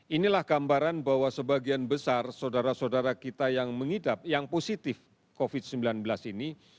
inilah gambaran bahwa sebagian besar saudara saudara kita yang mengidap yang positif covid sembilan belas ini